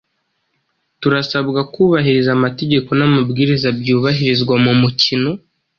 Turasabwa kubahiriza amategeko n’amabwiriza byubahirizwa mu mukino.